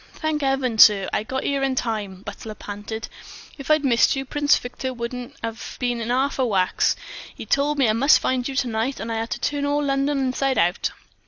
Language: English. "Thank 'Eaven, sir, I got 'ere in time," the butler panted. "If I'd missed you, Prince Victor wouldn't 'ave been in 'arf a wax. 'E told me I must find you to night if I 'ad to turn all Lunnon inside out."